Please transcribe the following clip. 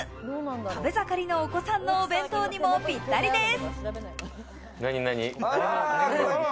食べ盛りのお子さんのお弁当にもぴったりです。